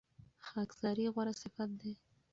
خاکساري غوره صفت دی.